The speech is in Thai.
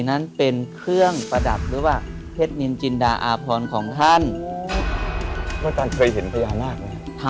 นั้นเป็นเครื่องประดับหรือว่าเทศนินจินดาอาพรของท่านว่าท่านเคยเห็นพญานาคมั้ย